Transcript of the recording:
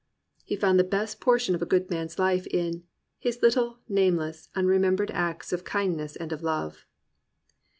'* He found the best portion of a good man*s life in "His little, nameless, unremembered acts Of kindness and of love."